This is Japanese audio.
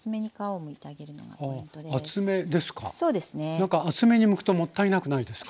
何か厚めにむくともったいなくないですか？